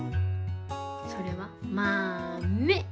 それは「まめ」。